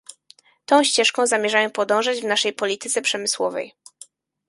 Tą ścieżką zamierzamy podążać w naszej polityce przemysłowej